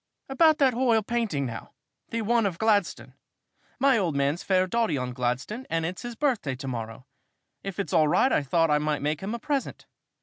"About that h'oil painting, now the one of Gladstone. My old man's fair dotty on Gladstone and it's his birthday to morrow. If it's all right, I thought I might make him a present.